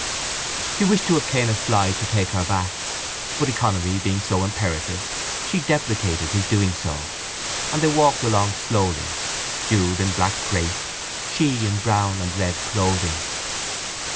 He wished to obtain a fly to take her back in, but economy being so imperative she deprecated his doing so, and they walked along slowly, Jude in black crape, she in brown and red clothing.